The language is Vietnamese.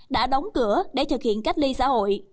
đã đóng cửa để thực hiện cách ly xã hội